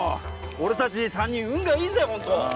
俺たち３人運がいいぜ本当。